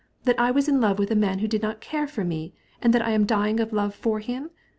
"That I've been in love with a man who didn't care a straw for me, and that I'm dying of love for him?